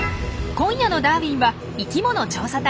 今夜のダーウィンは生きもの調査隊。